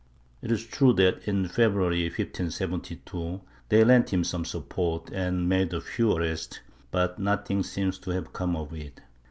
It is true that, in February 1572, they lent him some support and made a few arrests, but nothing seems to have come of it.